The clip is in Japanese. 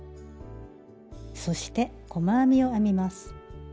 そして細編みを編みます。